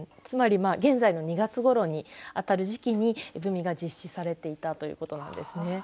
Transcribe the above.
つまり現在の２月ごろにあたる時期に絵踏が実施されていたということなんですね。